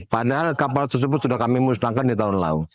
padahal kapal tersebut sudah kami musnahkan di tahun lalu